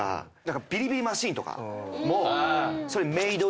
ビリビリマシンとかもそれ。